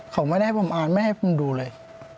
เขาไม่ได้ให้ผมอ่านไม่ให้ผมดูเลย